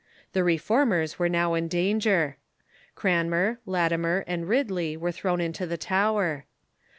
The Reformers were now in danger. Cranmer, Latimer, and Rid ley were thrown into the Tower.